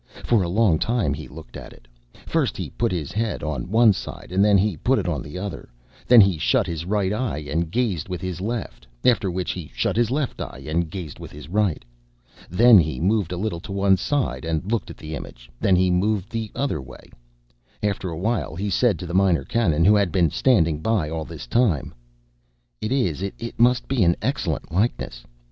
For a long time he looked at it. First he put his head on one side, and then he put it on the other; then he shut his right eye and gazed with his left, after which he shut his left eye and gazed with his right. Then he moved a little to one side and looked at the image, then he moved the other way. After a while he said to the Minor Canon, who had been standing by all this time: "It is, it must be, an excellent likeness!